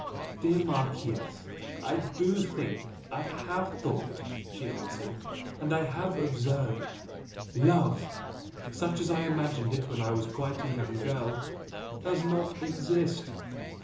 "Dear Marchese, I DO think! I HAVE thought!" she answered "And I have observed! Love such as I imagined it when I was quite a young girl does not exist.